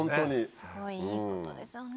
すごいいいことですよね。